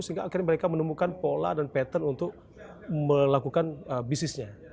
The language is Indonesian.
sehingga akhirnya mereka menemukan pola dan pattern untuk melakukan bisnisnya